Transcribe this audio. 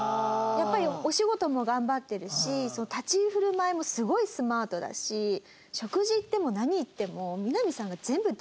やっぱりお仕事も頑張ってるし立ち居振る舞いもすごいスマートだし食事行っても何行っても。